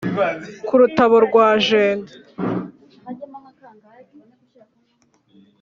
ku rutabo rwa jenda